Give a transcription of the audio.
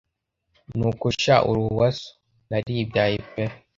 nuko sha Uri uwa So! Naribyaye pe